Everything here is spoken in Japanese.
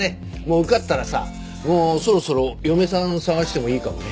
受かったらさもうそろそろ嫁さん探してもいいかもね。